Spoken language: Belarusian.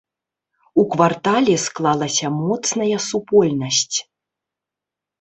У квартале склалася моцная супольнасць.